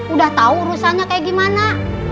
udah tahu urusannya kayak gimana